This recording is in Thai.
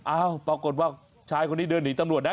อ้าวปรากฏว่าชายคนนี้เดินหนีตำรวจนะ